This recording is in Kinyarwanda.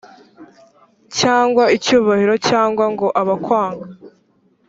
cyangwa icyubahiro cyangwa ngo abakwanga